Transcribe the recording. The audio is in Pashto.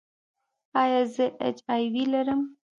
ایا زه ایچ آی وي لرم؟